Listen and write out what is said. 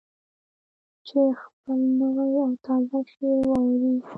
چې خپل نوی او تازه شعر واوروي.